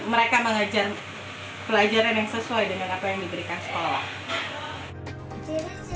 mereka mengajar pelajaran yang sesuai dengan apa yang diberikan sekolah